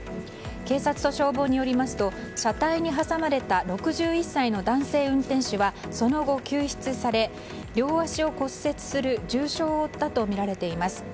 警察と消防によりますと車体に挟まれた６１歳の男性運転手はその後、救出され両足を骨折する重傷を負ったとみられています。